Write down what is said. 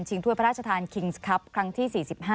ถ้วยพระราชทานคิงส์ครับครั้งที่๔๕